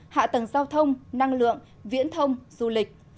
hạ tầng giao thông năng lượng viễn thông du lịch